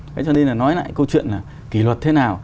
thế cho nên là nói lại câu chuyện là kỷ luật thế nào